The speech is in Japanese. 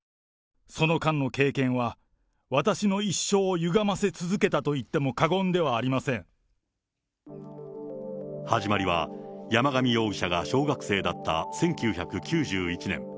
その間の経験は私の一生をゆがませ続けたといっても過言ではあり始まりは、山上容疑者が小学生だった１９９１年。